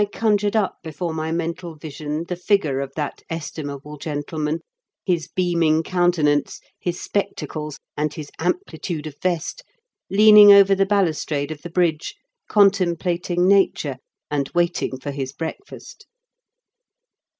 conjured up before my mental vision the figure of that estimable gentleman, his beaming countenance, his spectacles, and his amplitude of vest, "leaning over the balustrade of the bridge, contemplating nature, and waiting for his breakfast.